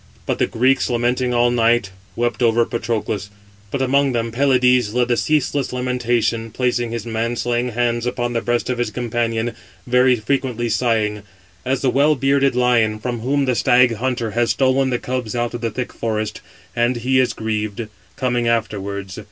But the Greeks, lamenting all night, wept over Patroclus, but among them Pelides led the ceaseless lamentation, placing his man slaying hands upon the breast of his companion, very frequently sighing; as the well bearded lion, from whom the stag hunter has stolen the cubs out of the thick forest; and he is grieved, coming afterwards.